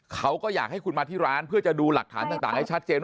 เขาก็อยากให้คุณมาที่ร้านเพื่อจะดูหลักฐานต่างให้ชัดเจน